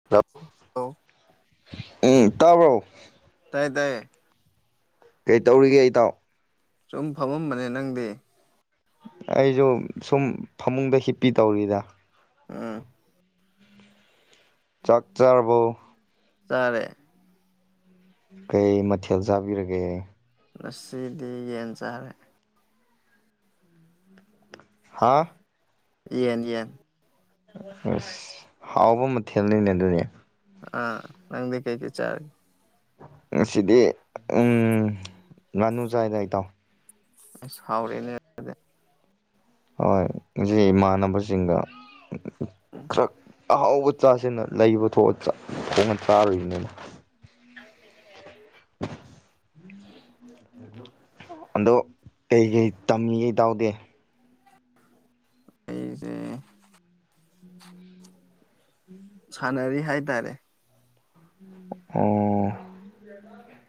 ꯑꯥ ꯍ ꯎꯝ ꯇꯥꯎꯔꯕ꯭ꯔꯣ ꯇꯥꯏꯌꯦ ꯇꯌꯦ ꯀꯩ ꯇꯧꯔꯤꯒꯦ ꯑꯩꯇꯥꯎ ꯁꯨꯝ ꯐꯝꯃꯝꯕꯅꯦ ꯅꯪꯗꯤ ꯑꯩꯁꯨ ꯁꯨꯝ ꯐꯃꯨꯡꯗ ꯍꯤꯞꯄꯤ ꯇꯧꯔꯤꯗ ꯎꯝ ꯆꯥꯛꯆꯔꯕꯨ ꯇꯥꯔꯦ ꯀꯩ ꯃꯊꯦꯜ ꯆꯥꯕꯤꯔꯒꯦ ꯉꯁꯤꯗꯤ ꯌꯦꯟ ꯆꯥꯔꯦ ꯍꯥꯥ ꯌꯦꯟ ꯌꯦꯟ ꯑꯁ ꯍꯥꯎꯕ ꯃꯊꯦꯜꯅꯤꯅꯦ ꯑꯗꯨꯅꯦ ꯑ ꯅꯪꯗꯤ ꯀꯩ ꯀ ꯆꯥꯔ ꯉꯁꯤꯗꯤ ꯎ ꯉꯥꯅꯨ ꯆꯥꯏꯗꯥꯏꯇꯥꯎ ꯁꯥꯎꯔꯤꯅꯦ ꯍꯣꯏ ꯉ ꯏꯃꯥꯟꯅꯕꯁꯤꯡꯒ ꯎꯝ ꯈꯔ ꯑꯍꯥꯎꯕ ꯆꯥꯁꯤꯅ ꯂꯩꯕꯑ ꯊꯣꯡꯅ ꯆꯥꯔꯨꯔꯤꯅꯤꯅ [unintelligible] ꯑꯗꯨꯣ ꯑꯗꯣ ꯀꯩꯀꯩ ꯇꯝꯃꯤ ꯀꯩ ꯇꯎꯗꯦ ꯑꯩꯁꯦ ꯎꯝ ꯁꯥꯟꯅꯔꯤ ꯍꯥꯏꯇꯥꯔꯦ ꯑꯣ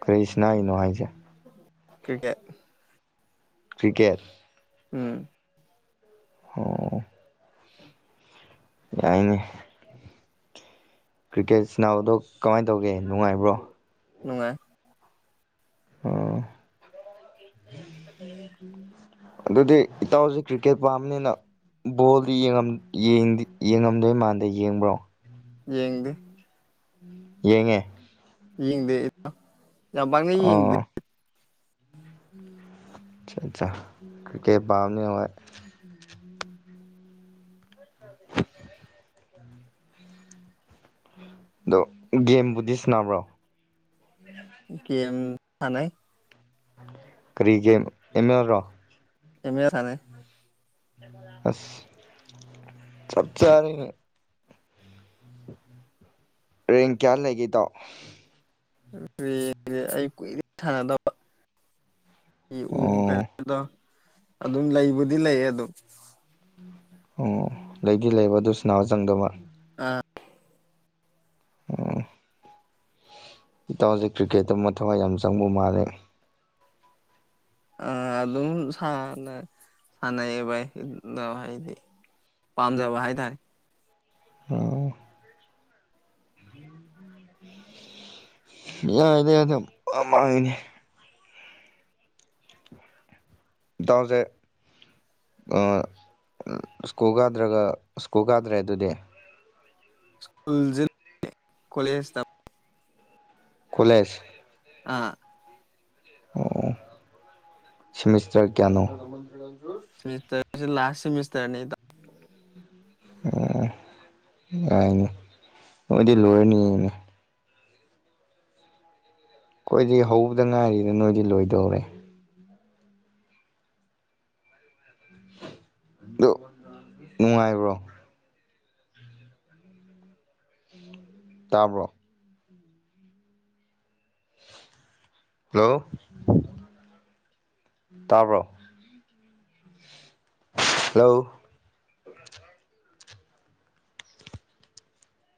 ꯀꯔꯤꯁꯅꯥꯩꯅꯣ ꯍꯥꯏꯁꯦ ꯀ꯭ꯔꯤꯀꯦꯠ ꯀ꯭ꯔꯤꯀꯦꯠ ꯎꯝ ꯑꯣ ꯌꯥꯏꯅꯦ ꯀ꯭ꯔꯤꯀꯦꯠ ꯁꯤꯅꯥꯕꯗꯣ ꯀꯃꯥꯏꯅ ꯇꯧꯒꯦ ꯅꯨꯡꯉꯥꯏꯕ꯭ꯔꯣ ꯅꯪꯉꯥꯏ ꯎꯝ ꯑꯗꯨꯗꯤ ꯏꯇꯥꯎꯁ ꯀ꯭ꯔꯤꯛꯀꯦꯠ ꯄꯥꯝꯅꯤꯅ ꯕꯣꯜꯗꯤ ꯌꯦꯡꯉꯝꯗꯣꯏ ꯃꯥꯟꯗ ꯌꯦꯡꯕ꯭ꯔꯣ ꯌꯦꯡꯡꯗꯤ ꯌꯦꯡꯉꯦ ꯌꯦꯡꯗꯦ ꯌꯥꯝꯕꯥꯡꯅ ꯌꯦꯡꯗꯦ ꯑꯣ ꯠ ꯀ ꯀꯩ ꯄꯥꯝꯅꯤ ꯍꯣꯏ ꯑꯗꯣ ꯒꯦꯝꯕꯨꯗꯤ ꯁꯟꯅꯅꯕ꯭ꯔꯣ ꯀꯦꯝ ꯊꯥ ꯅꯥꯏ ꯀꯔꯤꯒꯤ ꯑꯦꯝ ꯑꯦꯜꯔꯣ ꯑꯦꯃꯦ ꯑꯦ ꯊꯥꯅꯦ ꯑꯁ ꯆꯠꯆꯔ ꯔꯦꯡ ꯀꯌꯥ ꯂꯩꯒꯦꯗꯣ ꯑꯩ ꯀꯨꯏꯦ ꯁꯥꯟꯅꯗꯕ ꯎ ꯑꯣ ꯀꯩꯅ ꯑꯗꯣ ꯑꯗꯨꯝ ꯂꯩꯕꯨꯗꯤ ꯂꯩꯌꯦ ꯑꯗꯨꯝ ꯑꯣ ꯂꯩꯗꯤ ꯂꯩꯕ ꯑꯗꯨ ꯁꯅꯥꯎ ꯆꯪꯗꯕ ꯑꯥ ꯑꯣ ꯏꯇꯥꯎꯁꯦ ꯀ꯭ꯔꯤꯛꯀꯦꯠꯇ ꯑꯃ ꯊꯋꯥꯏ ꯌꯥꯝ ꯆꯪꯕ ꯃꯥꯜꯂꯦ ꯑ ꯑꯗꯨꯝ ꯁ ꯁꯅꯕꯥ ꯍꯥꯏꯗꯤ ꯄꯥꯝꯖꯕ ꯍꯥꯏꯇꯥꯔꯦ ꯎꯝ ꯌꯥꯏꯅꯦ ꯑꯗꯨꯝ ꯃꯥꯏꯅꯦ ꯁꯦ ꯁ꯭ꯀꯨꯜ ꯀꯥꯗ꯭ꯔꯒ ꯁ꯭ꯀꯨꯜ ꯀꯥꯗ꯭ꯔꯦ ꯑꯗꯨꯗꯤ ꯁ꯭ꯀꯨꯜꯖ ꯀꯣꯂꯦꯖ ꯇ ꯀꯣꯂꯦꯖ ꯑꯥ ꯑꯣ ꯁꯤꯦꯃꯤꯁꯇꯔ ꯀꯌꯥꯅꯣ ꯃꯤꯁꯇꯔ ꯂꯥꯁ ꯁꯤꯃꯤꯁꯇꯔꯦꯅꯤ ꯑꯣ ꯌꯥꯏꯅꯤ ꯃꯣꯏꯗꯤ ꯂꯣꯏꯔꯅꯤꯅꯦ ꯑꯩꯈꯣꯏꯗꯤ ꯍꯧꯕꯗ ꯉꯥꯏꯔꯤꯗ ꯅꯣꯏꯗꯤ ꯂꯣꯏꯗꯧꯔꯦ ꯑꯗꯨ ꯅꯨꯡꯉꯥꯏꯕ꯭ꯔꯣ ꯇꯥꯕ꯭ꯔꯣ ꯍꯜꯂꯣ ꯇꯥꯔꯕ꯭ꯔꯣ ꯍꯜꯂꯣ